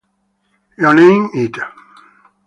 You name it.